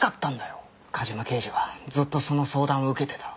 梶間刑事はずっとその相談を受けてた。